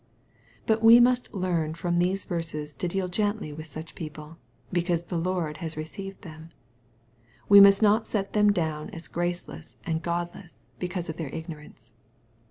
— But we must learn from these verses to deal gently with such people, because the Lord has received them. We must not set them down as graceless and godless, because of their ignorance.